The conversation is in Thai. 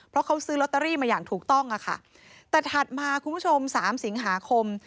เพราะเขาซื้อลอตเตอรี่มาอย่างถูกต้องอะค่ะแต่ถัดมาคุณผู้ชมสามสิงหาคม